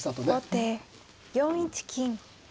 後手４一金。